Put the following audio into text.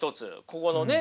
ここのね。